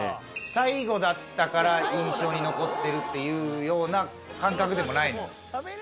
最後だったから印象に残ってるっていうような感覚でもないのよ。